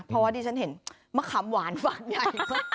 เพราะว่าดิฉันเห็นมะขามหวานฟาดใหญ่